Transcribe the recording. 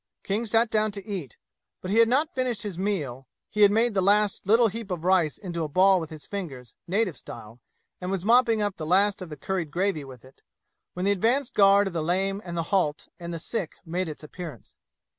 King sat down to eat, but he had not finished his meal he had made the last little heap of rice into a ball with his fingers, native style, and was mopping up the last of the curried gravy with it when the advance guard of the lame and the halt and the sick made its appearance.